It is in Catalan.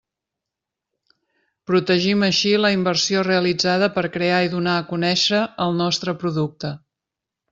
Protegim així la inversió realitzada per crear i donar a conèixer el nostre producte.